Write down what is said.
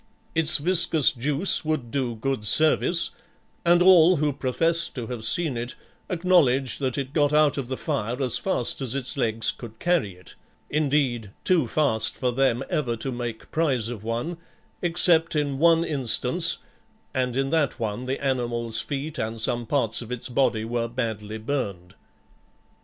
Its viscous juice would do good service, and all who profess to have seen it, acknowledge that it got out of the fire as fast as its legs could carry it; indeed, too fast for them ever to make prize of one, except in one instance, and in that one the animal's feet and some parts of its body were badly burned.